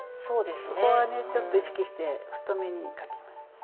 そこはねちょっと意識して太めに描きます。